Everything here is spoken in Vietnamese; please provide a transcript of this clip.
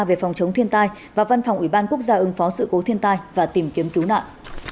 về phòng chống thiên tai và văn phòng ủy ban quốc gia ứng phó sự cố thiên tai và tìm kiếm cứu nạn